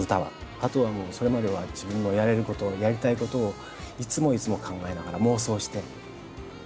あとはもうそれまでは自分のやれることやりたいことをいつもいつも考えながら妄想して。